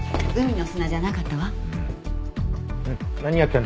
海の砂じゃなかったわ。